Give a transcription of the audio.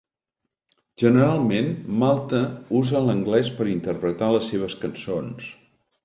Generalment, Malta usa l'anglès per interpretar les seves cançons.